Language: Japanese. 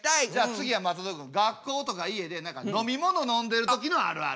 次は松本君学校とか家で何か飲み物飲んでる時のあるある。